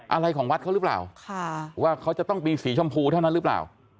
อะไรของวัดเขาหรือเปล่าว่าเขาจะต้องมีสีชมพูเท่านั้นหรือเปล่า